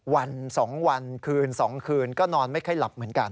วัน๒วันคืน๒คืนก็นอนไม่ค่อยหลับเหมือนกัน